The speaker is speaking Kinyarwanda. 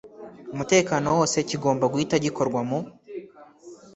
mutekano wose kigomba guhita gikorwa mu